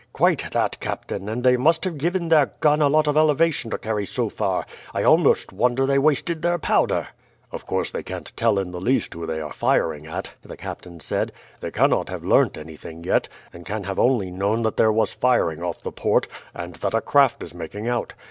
"Quite that, captain; and they must have given their gun a lot of elevation to carry so far. I almost wonder they wasted their powder." "Of course they can't tell in the least who they are firing at," the captain said. "They cannot have learnt anything yet, and can have only known that there was firing off the port, and that a craft is making out.